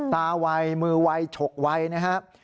ไวมือไวฉกไวนะครับ